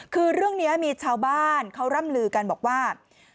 คือเรื่องนี้มีชาวบ้านเขาร่ำลือกันบอกว่า